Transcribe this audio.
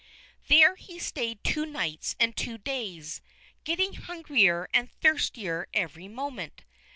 There he stayed two nights and two days, getting hungrier and thirstier every moment.